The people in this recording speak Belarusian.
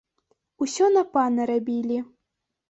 Усё на пана рабілі.